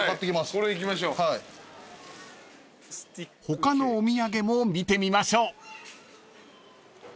［他のお土産も見てみましょう］